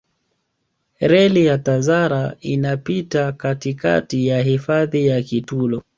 reli ya tazara inapita katika ya hifadhi ya kitulo